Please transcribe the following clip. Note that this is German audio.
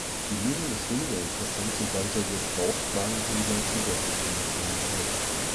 Die Lösung ist weniger interessant, sobald der Gebrauchtwagenhändler Zusatzinformationen besitzt.